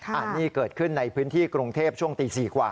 อันนี้เกิดขึ้นในพื้นที่กรุงเทพช่วงตี๔กว่า